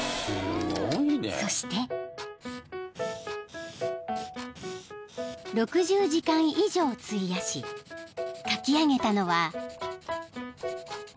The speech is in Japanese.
［そして］［６０時間以上費やし描き上げたのは］